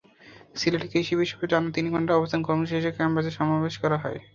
সিলেট কৃষি বিশ্ববিদ্যালয়ে টানা তিন ঘণ্টার অবস্থান কর্মসূচি শেষে ক্যাম্পাসে সমাবেশও করা হয়।